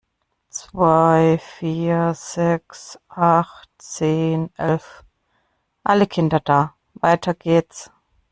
Zwei, vier, sechs, acht, zehn, elf, alle Kinder da! Weiter geht's.